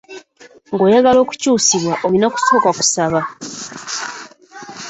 Ng'oyagala okukyusibwa, olina kusooka kusaba.